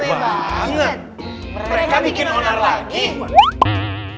mereka bikin honor lagi